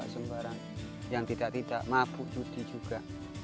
semua orang yang tidak tidak mabuk judi juga